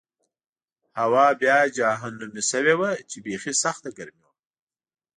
هوا بیا جهنمي شوې وه چې بېخي سخته ګرمي وه.